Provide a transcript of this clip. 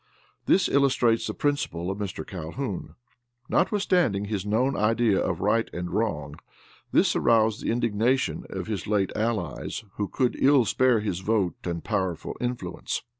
This illustrates the principle of Mr. Calhoun. Notwithstanding his known idea of right and wrong, this aroused the indignation of his late allies, who could ill spare his vote and powerful influence.